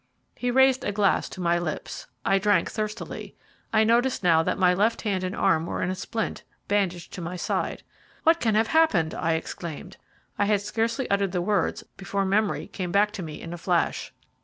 He raised a glass to my lips. I drank thirstily. I noticed now that my left hand and arm were in a splint, bandaged to my side. "What can have happened?" I exclaimed. I had scarcely uttered the words before memory came back to me in a flash.